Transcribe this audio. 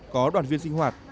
có đoàn viên sinh hoạt